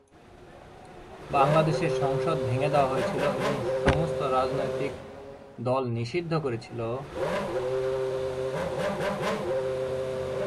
বাংলাদেশের সংসদ ভেঙে দেওয়া হয়েছিল এবং সমস্ত রাজনৈতিক দল নিষিদ্ধ করেছিল।